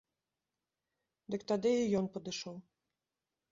Дык тады і ён падышоў.